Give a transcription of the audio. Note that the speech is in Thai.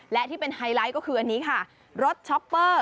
และที่เป็นไฮไลท์ก็คืออันนี้ค่ะรถช็อปเปอร์